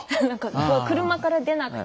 車から出なくて済む。